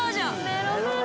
メロメロ